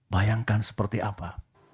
bayangkan seperti apa